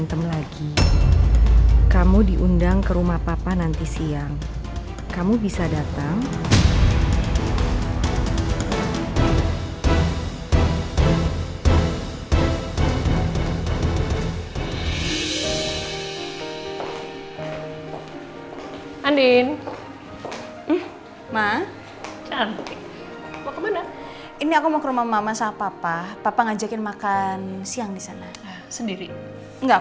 sampai jumpa di video selanjutnya